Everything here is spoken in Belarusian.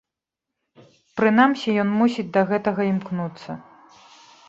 Прынамсі ён мусіць да гэтага імкнуцца.